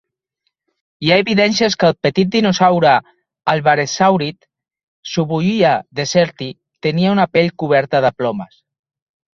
Hi ha evidències que el petit dinosaure alvarezsàurid "Shuvuuia deserti" tenia una pell coberta de plomes.